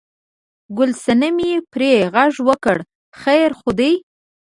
ګل صنمې پرې غږ وکړ: خیر خو دی؟